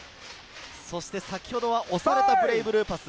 先ほどは押されたブレイブルーパス。